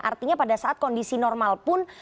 artinya pada saat kondisi normal pun